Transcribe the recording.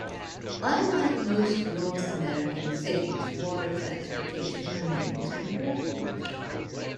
Unlike most North American cities, water transportation remains important.